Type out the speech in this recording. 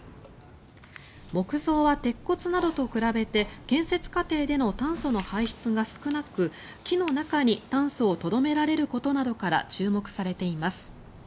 木造は鉄骨などと比べて建設過程での炭素の排出が少なく木の中に炭素をとどめられることなどから注目されています。